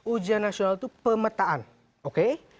ujian nasional itu pemetaan oke